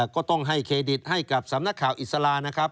ก็ต้องให้เครดิตให้กับสำนักข่าวอิสลานะครับ